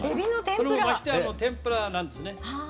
それもまして天ぷらなんですね。